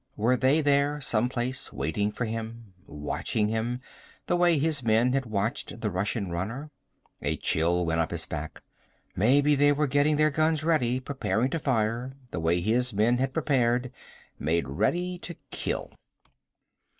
Were they there, someplace, waiting for him? Watching him, the way his men had watched the Russian runner? A chill went up his back. Maybe they were getting their guns ready, preparing to fire, the way his men had prepared, made ready to kill.